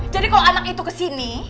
jadi kalau anak itu ke sini